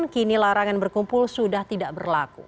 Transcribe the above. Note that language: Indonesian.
kini larangan berkumpul sudah tidak berlaku